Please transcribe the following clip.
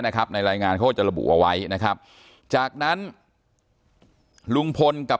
ในรายงานเขาก็จะระบุเอาไว้นะครับจากนั้นลุงพลกับ